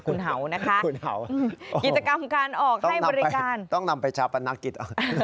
คุณเหานะคะกิจกรรมการออกให้บริการต้องนำไปชาวปัณหนักกิจ